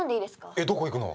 えっどこ行くの？